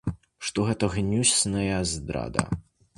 Што гэта гнюсная здрада.